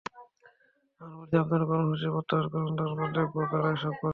আমরা বলেছি, আপনারা কর্মসূচি প্রত্যাহার করুন, তারপর দেখব, কারা এসব করছে।